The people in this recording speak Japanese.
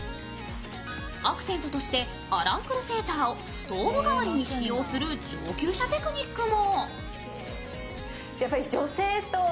アクセントとしてアランクルセーターをストール代わりに使用する上級者テクニックも。